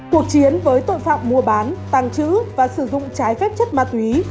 cuộc chiến với tội phạm mua bán tàng trữ và sử dụng trái phép chất ma túy